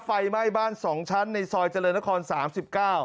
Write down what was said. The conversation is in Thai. ไฟไหม้บ้าน๒ชั้นในซอยเจริญนคร๓๙